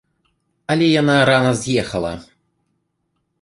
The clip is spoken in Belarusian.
Але яна рана з'ехала.